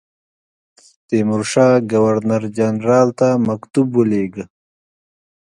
تیمورشاه ګورنر جنرال ته مکتوب ولېږی.